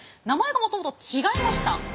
名前がもともと違いました。